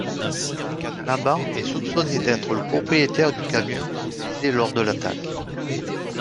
Nabhan est soupçonné d'être le propriétaire du camion utilisé lors de l'attaque.